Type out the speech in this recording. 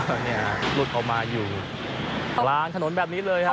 ก็เนี่ยหลุดออกมาอยู่ล้างถนนแบบนี้เลยครับ